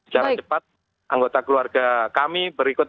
jalan cepat anggota keluarga kami berikut